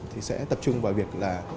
thì sẽ tập trung vào việc là